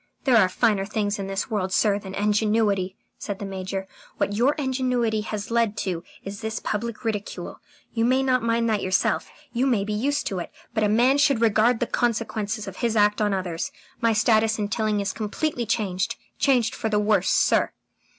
"There are finer things in this world, sir, than ingenuity," said the Major. "What your ingenuity has led to is this public ridicule. You may not mind that yourself you may be used to it but a man should regard the consequences of his act on others. ... My status in Tilling is completely changed. Changed for the worse, sir."